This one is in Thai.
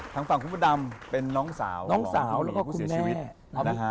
ทางฝั่งคุณมดำเป็นน้องสาวน้องสาวแล้วก็คุณแม่นะฮะ